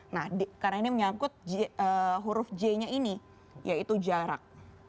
nah karena ini menyangkut huruf j nya ini yaitu jarak